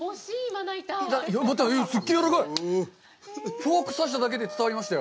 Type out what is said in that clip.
フォーク刺しただけで伝わりましたよ。